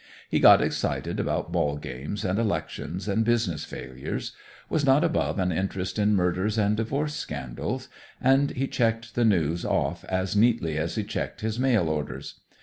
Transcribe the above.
He got excited about ballgames and elections and business failures, was not above an interest in murders and divorce scandals, and he checked the news off as neatly as he checked his mail orders.